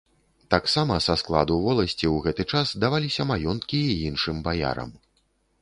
Таксама са складу воласці ў гэты час даваліся маёнткі і іншым баярам.